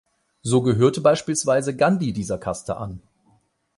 So gehörte beispielsweise Gandhi dieser Kaste an.